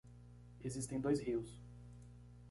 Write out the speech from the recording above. Existem dois rios